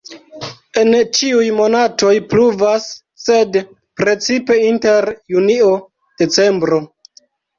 En ĉiuj monatoj pluvas, sed precipe inter junio-decembro.